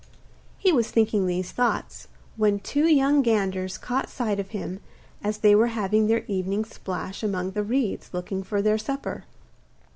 He was thinking these thoughts, when two young ganders caught sight of him as they were having their evening splash among the reeds, looking for their supper.